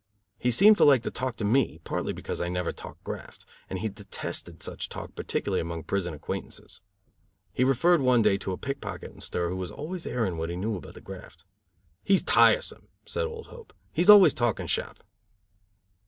He seemed to like to talk to me, partly because I never talked graft, and he detested such talk particularly among prison acquaintances. He referred one day to a pick pocket in stir who was always airing what he knew about the graft. "He's tiresome," said old Hope. "He is always talking shop."